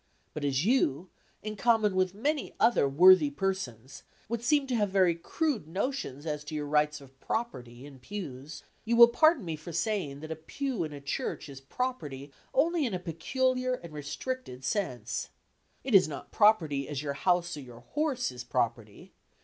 But as you, in common with many other worthy persons, would seem to have very crude notions as to your rights of "property" in pews, you will pardon me for saying that a pew in a church is property only in a peculiar and restricted sense. It is not property, as your house or your horse is property.